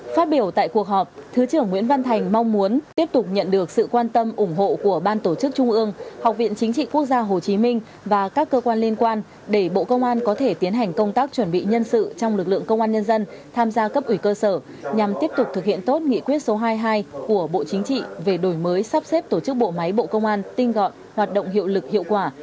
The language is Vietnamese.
phát biểu tại cuộc họp thứ trưởng nguyễn văn thành mong muốn tiếp tục nhận được sự quan tâm ủng hộ của ban tổ chức trung ương học viện chính trị quốc gia hồ chí minh và các cơ quan liên quan để bộ công an có thể tiến hành công tác chuẩn bị nhân sự trong lực lượng công an nhân dân tham gia cấp ủy cơ sở nhằm tiếp tục thực hiện tốt nghị quyết số hai mươi hai của bộ chính trị về đổi mới sắp xếp tổ chức bộ máy bộ công an tinh gọn hoạt động hiệu lực hiệu quả